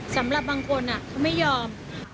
สำหรับบางคนเขาไม่ยอม